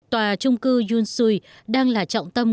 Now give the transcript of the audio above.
tòa trung cư yun sui đang là trọng tâm